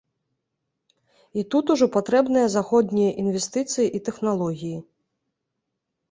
І тут ужо патрэбныя заходнія інвестыцыі і тэхналогіі.